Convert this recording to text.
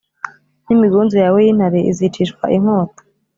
n’imigunzu yawe y’intare izicishwa inkota